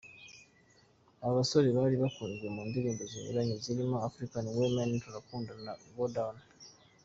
Aba basore bari bakunzwe mu ndirimbo zinyuranye zirimo; African Woman, Turakundana, Go Down